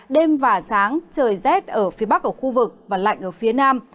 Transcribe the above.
đêm và sáng trời rét ở phía bắc ở khu vực và lạnh ở phía nam